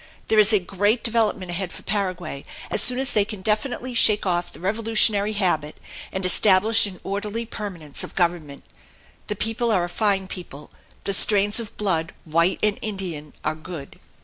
There is a great development ahead for Paraguay, as soon as they can definitely shake off the revolutionary habit and establish an orderly permanence of government. The people are a fine people; the strains of blood white and Indian are good.